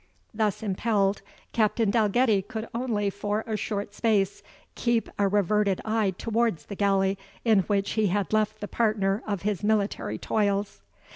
Thus impelled, Captain Dalgetty could only for a short space keep a reverted eye towards the galley in which he had left the partner of his military toils.